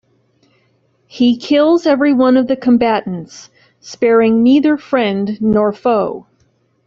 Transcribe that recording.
He kills every one of the combatants, sparing neither friend nor foe.